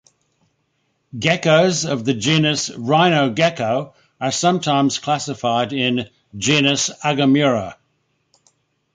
Geckos of the genus "Rhinogecko" are sometimes classified in genus "Agamura".